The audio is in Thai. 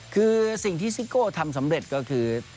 คือสิ่งที่ซิโก้ทำสำเร็จก็คือ